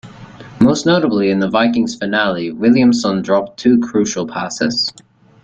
Most notably in the Vikings' finale, Williamson dropped two crucial passes.